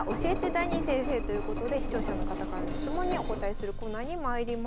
ダニー先生」ということで視聴者の方からの質問にお答えするコーナーにまいりましょう。